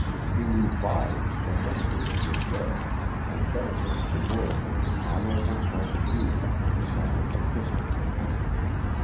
He revives the memories of the dead, and benefits the world with an honorable contribution to the science of history.